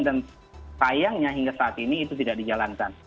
dan sayangnya hingga saat ini itu tidak dijalankan